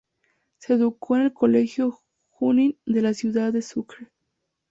Se educó en el Colegio Junín de la ciudad de Sucre.